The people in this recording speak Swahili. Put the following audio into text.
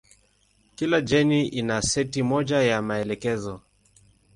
Kila jeni ina seti moja ya maelekezo.